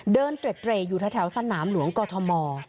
เดินเตรียดอยู่ทะแถวสนามหลวงกอทม